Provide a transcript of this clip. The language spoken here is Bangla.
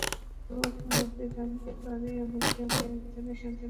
দুই মাসের মধ্যে জানতে পারি আমার স্ত্রীর আরেকজনের সঙ্গে পরকীয়ার সম্পর্ক আছে।